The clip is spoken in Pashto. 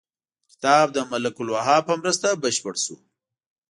کتاب د ملک الوهاب په مرسته بشپړ شو.